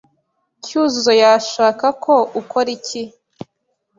Cyuzuzo yashaka ko ukora iki?